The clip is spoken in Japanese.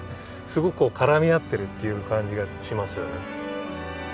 すごくこう絡み合ってるっていう感じがしますよね